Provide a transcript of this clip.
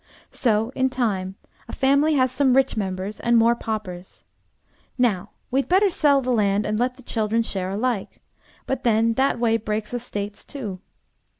So, in time, a family has some rich members and more paupers. Now, we'd better sell the land and let the children share alike; but then that way breaks estates too.